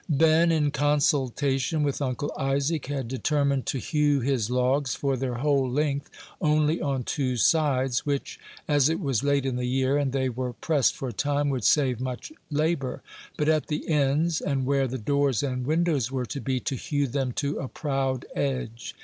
Ben, in consultation with uncle Isaac, had determined to hew his logs for their whole length only on two sides, which, as it was late in the year, and they were pressed for time, would save much labor; but at the ends, and where the doors and windows were to be, to hew them to a "proud edge."